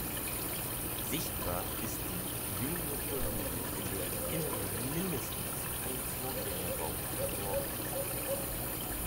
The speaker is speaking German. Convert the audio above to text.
Sichtbar ist die „Jüngere Pyramide“, in deren Inneren mindestens ein Vorgängerbau verborgen ist.